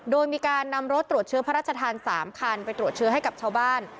โดยมีการนำรถตรวจเชื้อพระราชทาน๓คันไปตรวจเชื้อให้กับชาวบ้าน